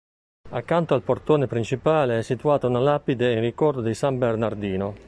Accanto al portone principale è situata una lapide in ricordo di San Bernardino.